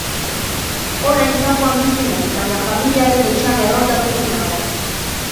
Orain kanpoan bizi naiz, baina familiaren etxean erroldaturik nago.